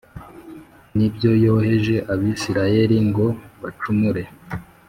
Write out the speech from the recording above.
n’ibyo yoheje Abisirayeli ngo bacumure